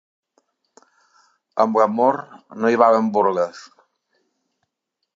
Amb l'amor no hi valen burles.